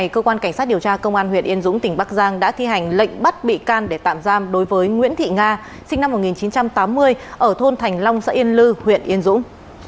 cơ quan cảnh sát điều tra công an huyện yên dũng tỉnh bắc giang đã thi hành lệnh bắt bị can để tạm giam đối với nguyễn thị nga sinh năm một nghìn chín trăm tám mươi ở thôn thành long xã yên lư huyện yên dũng